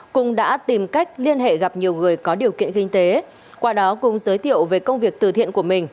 cùng đã tìm cách liên hệ gặp nhiều người có điều kiện kinh tế qua đó cùng giới thiệu về công việc từ thiện của mình